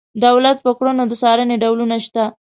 دولت په کړنو د څارنې ډولونه شته.